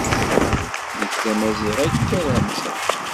Nek d Amaziɣ, akka ara mmteɣ.